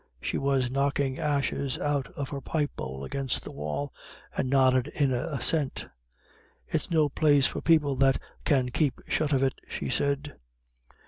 She was knocking ashes out of her pipe bowl against the wall, and nodded in assent. "It's no place for people that can keep shut of it," she said.